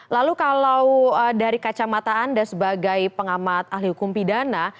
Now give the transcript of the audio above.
lalu kalau dari kacamata anda sebagai pengamat ahli hukum pidana